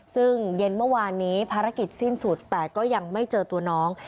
ซึ่งเย็นเมื่อวานนี้ภารกิจสิ้นสุดแต่ก็ยังไม่เจอตัวน้อง